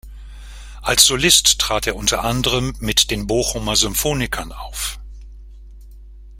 Als Solist trat er unter anderem mit den Bochumer Symphonikern auf.